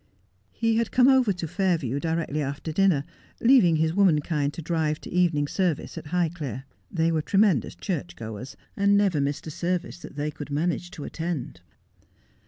He had come over to Fairview directly after dinner, leaving his womankind to drive to evening service at Highclere. They were tremendous church goers, and never missed a service that they could manage to attend.